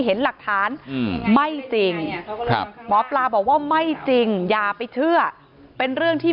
เห็นหลักฐานไม่จริงครับหมอปลาบอกว่าไม่จริงอย่าไปเชื่อเป็นเรื่องที่